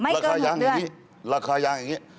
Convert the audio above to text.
ราคายางอย่างนี้